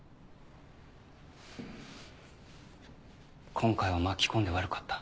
今回は巻き込んで悪かった